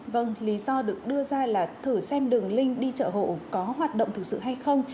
vâng lý do được đưa ra là thử xem đường link đi chợ hộ có hoạt động thực sự hay không